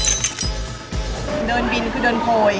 เดินบินคือเดินโพย